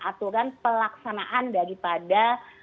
aturan pelaksanaan daripada